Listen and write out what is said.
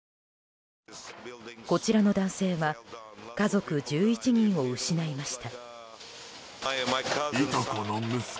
こちらの男性は家族１１人を失いました。